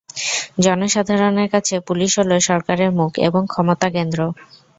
জনসাধারণের কাছে পুলিশ হলো সরকারের মুখ এবং ক্ষমতা কেন্দ্র।